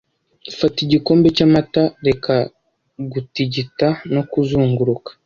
Fata Igikombe cyamata reka gutigita no kuzunguruka